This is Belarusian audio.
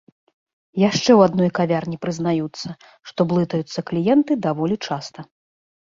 Яшчэ ў адной кавярні прызнаюцца, што блытаюцца кліенты даволі часта.